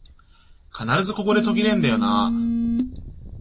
必ずここで途切れんだよなあ